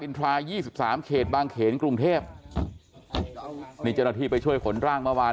ี่สิบสามเขตบางเขนกรุงเทพนี่เจ้าหน้าที่ไปช่วยขนร่างเมื่อวาน